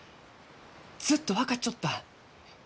ずっと分かっちょった！